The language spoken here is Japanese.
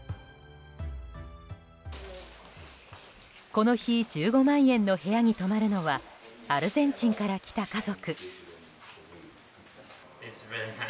この日１５万円の部屋に泊まるのはアルゼンチンから来た家族。